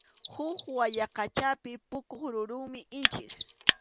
Huk wayaqachapi puquq rurum inchik.